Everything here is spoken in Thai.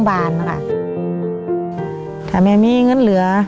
แต่ต่อมาแม่มีเงินเหลือ